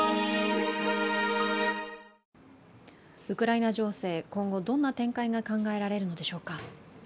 ウクライナ情勢、今後どんな展開が考えられるのでしょうか。